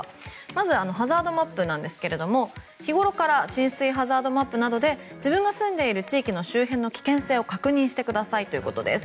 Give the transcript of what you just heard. まず、ハザードマップなんですが日頃から浸水ハザードマップなどで自分が住んでいる地域の周辺の危険性を確認してくださいということです。